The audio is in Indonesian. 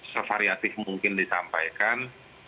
sevariatif mungkin disampaikan